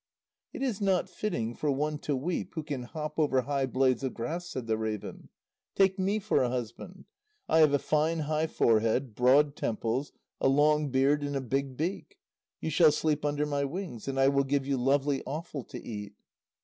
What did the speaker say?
"It is not fitting for one to weep who can hop over high blades of grass," said the raven. "Take me for a husband; I have a fine high forehead, broad temples, a long beard and a big beak; you shall sleep under my wings, and I will give you lovely offal to eat."